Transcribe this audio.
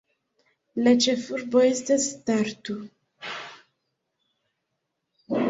La ĉefurbo estas Tartu.